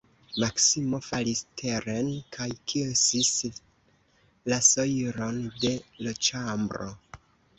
Maksimo falis teren kaj kisis la sojlon de l' ĉambro.